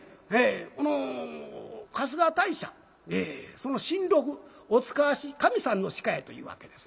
この春日大社その神鹿お遣わし神さんの鹿やというわけですな。